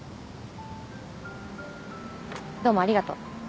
どうもありがとう。